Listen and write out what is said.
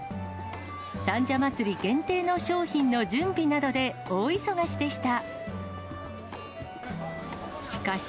三社祭限定の商品の準備などで大忙しでした。